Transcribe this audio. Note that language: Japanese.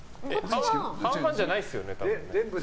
半々じゃないですよね。